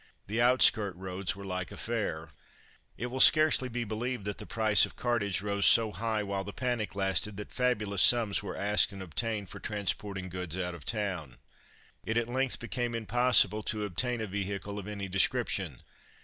The outskirt roads were like a fair. It will scarcely be believed that the price of cartage rose so high while the panic lasted, that fabulous sums were asked and obtained for transporting goods out of town. It at length became impossible to obtain a vehicle of any description.